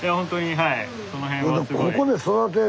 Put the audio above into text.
はい。